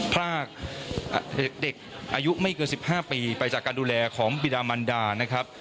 พรากเด็กอายุไม่เกิน๑๕ปีไปจากการดูแลของบิดามันดานะครับ